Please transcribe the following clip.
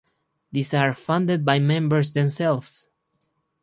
These are funded by members themselves.